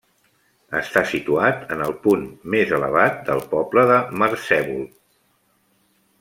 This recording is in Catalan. Està situat en el punt més elevat del poble de Marcèvol.